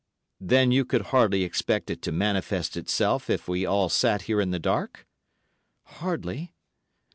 "Then you could hardly expect it to manifest itself if we all sat here in the dark?" "Hardly."